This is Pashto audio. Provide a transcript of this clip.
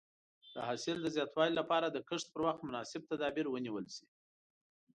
د حاصل د زیاتوالي لپاره د کښت پر وخت مناسب تدابیر ونیول شي.